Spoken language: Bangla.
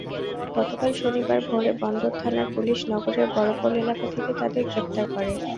গতকাল শনিবার ভোরে বন্দর থানার পুলিশ নগরের বড়পোল এলাকা থেকে তাঁদের গ্রেপ্তার করে।